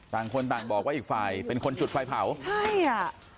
ต่างคนต่างบอกว่าอีกฝ่ายเป็นคนจุดไฟเผาใช่อ่ะ